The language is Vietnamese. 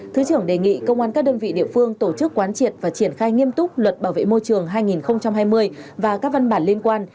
thứ trưởng đề nghị công an các đơn vị địa phương tổ chức quán triệt và triển khai nghiêm túc luật bảo vệ môi trường hai nghìn hai mươi và các văn bản liên quan